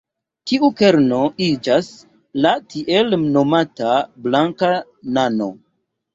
Tiu kerno iĝas la tiel nomata "blanka nano".